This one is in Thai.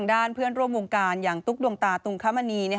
ด้านเพื่อนร่วมวงการอย่างตุ๊กดวงตาตุงคมณี